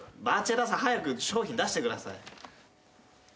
バチェ田さん早く商品出してください。